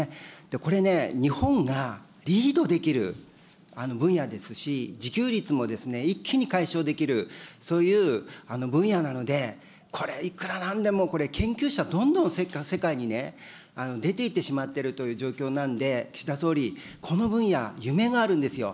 これね、日本がリードできる分野ですし、自給率も一気に解消できる、そういう分野なので、これ、いくらなんでも、これ、研究者、どんどん世界にね、出ていってしまっているという状況なので、岸田総理、この分野、夢があるんですよ。